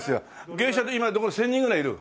芸者で今もう１０００人ぐらいいる？